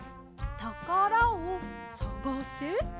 「たからをさがせ」？